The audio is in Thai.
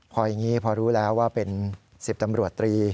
พออย่างนี้พอรู้แล้วว่าเป็น๑๐ตำรวจตรี